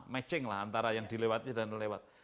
matching lah antara yang dilewati dan lewat